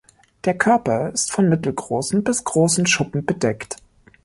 Der Körper ist von mittelgroßen bis großen Schuppen bedeckt.